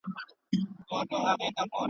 يو څو زلميو ورته هېښ کتله.